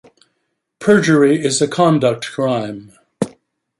Perjury is a conduct crime.